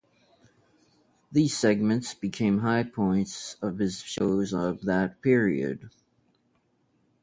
These segments became high points of his shows of that period.